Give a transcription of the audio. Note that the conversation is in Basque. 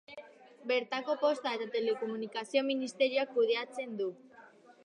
Bertako Posta eta Telekomunikazio ministerioak kudeatzen du.